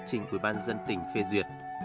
trên quỹ ban dân tỉnh phê duyệt